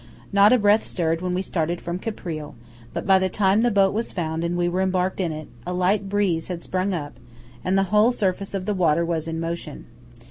Not a breath stirred when we started from Caprile; but by the time the boat was found and we were embarked in it, a light breeze had sprung up, and the whole surface of the water was in motion.